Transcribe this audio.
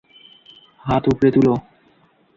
হাত উপরে তুলো!